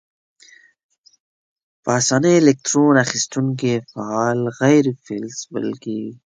په آساني الکترون اخیستونکي فعال غیر فلز بلل کیږي.